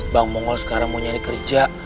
bang mongol sekarang mau nyari kerja